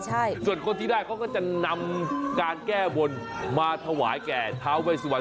ใช่ส่วนคนที่ได้เขาก็จะนำการแก้บนมาถวายแก่ท้าเวสวรร